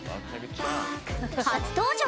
初登場！